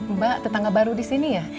mbak tetangga baru di sini ya